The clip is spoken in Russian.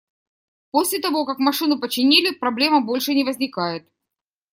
После того, как машину починили, проблема больше не возникает.